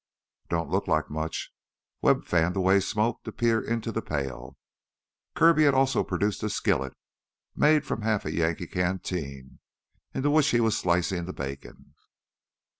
"Don't look like much." Webb fanned away smoke to peer into the pail. Kirby had also produced a skillet, made from half of a Yankee canteen, into which he was slicing the bacon.